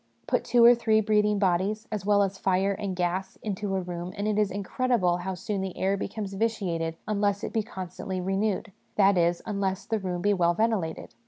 Put two or three breathing bodies, as well as fire and gas, into a room, and it is incredible how soon the air becomes vitiated unless it be constantly renewed ; that is, unless the room be well ventilated.